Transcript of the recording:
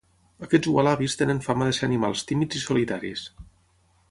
Aquests ualabis tenen fama de ser animals tímids i solitaris.